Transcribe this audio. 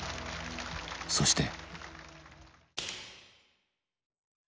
そして。